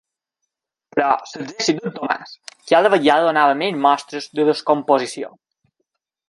Però l'exèrcit de Tomàs cada vegada donava més mostres de descomposició.